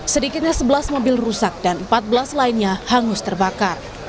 sedikitnya sebelas mobil rusak dan empat belas lainnya hangus terbakar